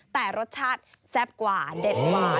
แต่รสชาติแซ่บกว่าเด็ดกว่า